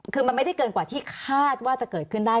คือมันไม่ได้เกินกว่าที่คาดว่าจะเกิดขึ้นได้